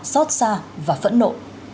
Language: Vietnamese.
xót xa và phẫn nộ